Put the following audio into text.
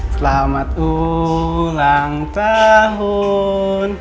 selamat ulang tahun